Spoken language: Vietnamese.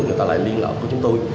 người ta lại liên lạc với chúng tôi